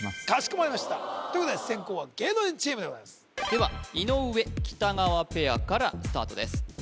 かしこまりましたということで先攻は芸能人チームでございますでは井上・北川ペアからスタートです